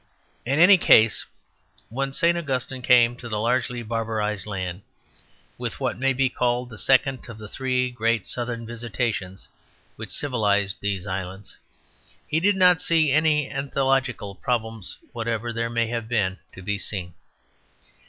In any case when St. Augustine came to the largely barbarized land, with what may be called the second of the three great southern visitations which civilized these islands, he did not see any ethnological problems, whatever there may have been to be seen.